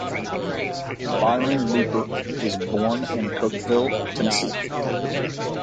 Byron Looper was born in Cookeville, Tennessee.